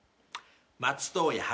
松任谷歯